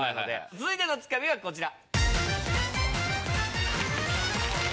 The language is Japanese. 続いてのツカミはこちら。